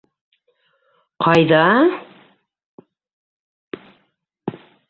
Ҡайҙа-а...